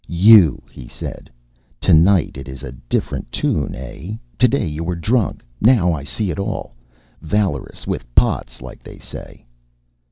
"You!" he said. "Tonight it is a different tune, eh? Today you were drunk. Now I see it all. Valorous with pots, like they say."